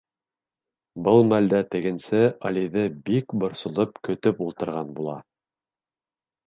Был мәлдә тегенсе Алиҙы бик борсолоп көтөп ултырған була.